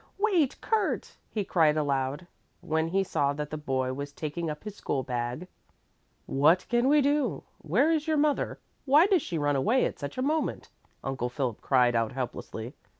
Wait, Kurt!" he cried aloud, when he saw that the boy was taking up his school bag. "What can we do? Where is your mother? Why does she run away at such a moment?" Uncle Philip cried out helplessly.